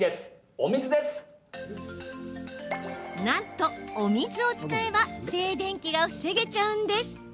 なんと、お水を使えば静電気が防げちゃうんです。